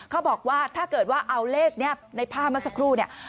เขาบอกว่าถ้าเกิดว่าเอาเลขนี้ในภาพเมื่อสักครู่เนี่ย